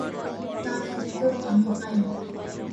তার উত্তর আমি পাইনি।